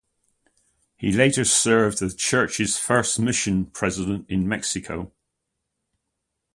He later served as the church's first mission president in Mexico.